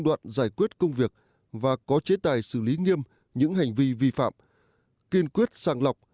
đoạn giải quyết công việc và có chế tài xử lý nghiêm những hành vi vi phạm kiên quyết sàng lọc